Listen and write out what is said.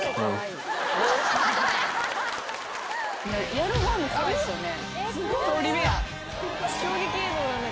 やる方も怖いですよね。